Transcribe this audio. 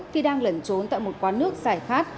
khi đang lẩn trốn tại một quán nước xài khát